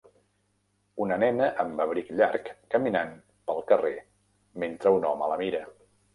Una nena amb abric llarg caminant pel carrer mentre un home la mira